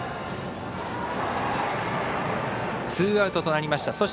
ツーアウトとなりました。